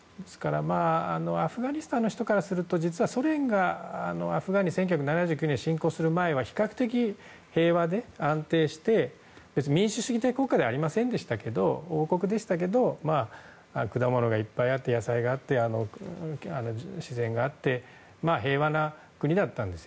アフガニスタンの人からするとソ連が１９７９年に侵攻する前は比較的平和で安定して別に民主主義国家ではありませんでしたけど王国でしたけど野菜があって果物がいっぱいあって自然があって平和な国だったんです。